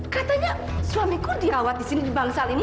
katanya suamiku dirawat di sini di bangsal ini